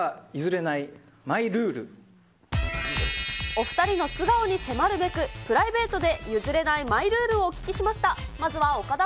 お２人の素顔に迫るべく、プライベートで譲れないマイルールをお聞きました。